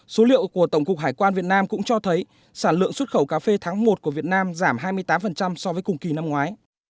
số liệu của tổng cục hải quan việt nam cũng cho thấy sản lượng xuất khẩu cà phê tháng một của việt nam giảm hai mươi tám so với cùng kỳ năm ngoái